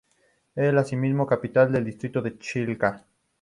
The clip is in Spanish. Es asimismo capital del distrito de Chilca.